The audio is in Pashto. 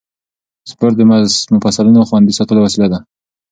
سپورت د مفصلونو خوندي ساتلو وسیله ده.